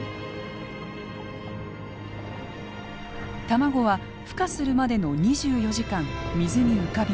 卵はふ化するまでの２４時間水に浮かびます。